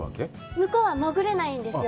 向こうは潜れないんですよ。